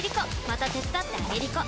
また手伝ってあげりこ！